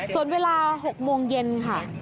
ส่วนเวลา๖โมงเย็นค่ะ